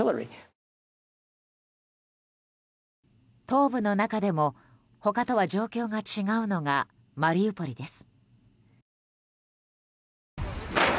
東部の中でも他とは状況が違うのがマリウポリです。